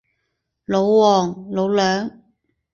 老黃，老梁